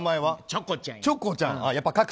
チョコちゃんや。